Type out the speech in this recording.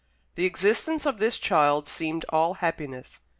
The existence of this child seemed all happiness.